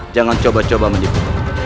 jangan coba coba menipu